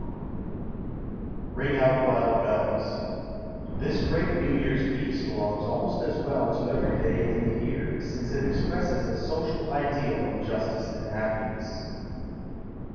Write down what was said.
_ RING OUT, WILD BELLS This great New Year's piece belongs almost as well to every day in the year, since it expresses a social ideal of justice and happiness.